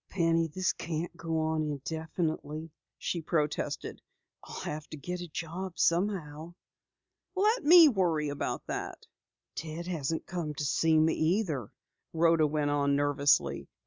"Penny, this can't go on indefinitely," she protested. "I'll have to get a job somehow." "Let me worry about that." "Ted hasn't come to see me either," Rhoda went on nervously.